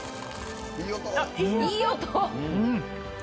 いい音。